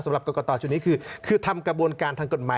สำหรับกรกตชุดนี้คือทำกระบวนการทางกฎหมาย